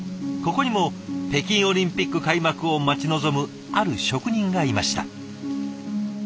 ここにも北京オリンピック開幕を待ち望むある職人がいました。